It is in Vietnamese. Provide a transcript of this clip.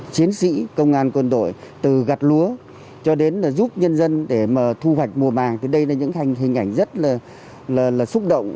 chiến sĩ công an quân đội từ gặt lúa cho đến giúp nhân dân để mà thu hoạch mùa màng thì đây là những hình ảnh rất là xúc động